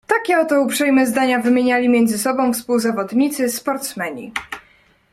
"Takie oto uprzejme zdania wymieniali między sobą współzawodnicy, sportsmeni."